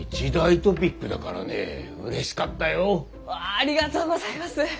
ありがとうございます！